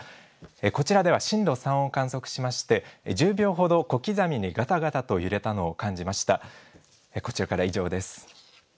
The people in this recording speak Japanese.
こちらでは震度３を観測しまして、１０秒ほど小刻みにがたがたと揺れたのを感じました。